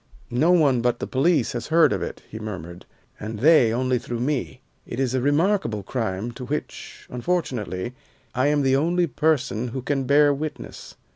"No one but the police has heard of it," he murmured, "and they only through me. It is a remarkable crime, to, which, unfortunately, I am the only person who can bear witness.